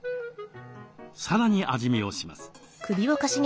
さらに味見をします。